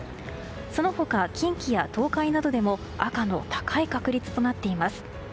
その他、近畿や東海などでも赤の高い確率となっています。